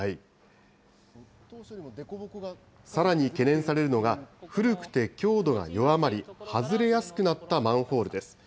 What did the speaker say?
さらに懸念されるのが、古くて強度が弱まり、外れやすくなったマンホールです。